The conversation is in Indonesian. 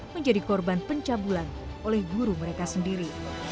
menjadi korban pencabulan oleh guru mereka sendiri